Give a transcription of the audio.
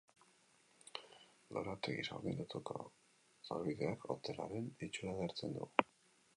Lorategiz hornitutako sarbideak hotelaren itxura edertzen du.